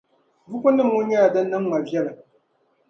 Bukunim ŋɔ nyɛla din niŋ ma viɛllim